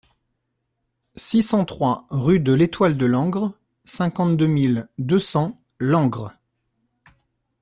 six cent trois rue de l'Étoile de Langres, cinquante-deux mille deux cents Langres